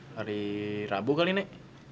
hari rabu kali nek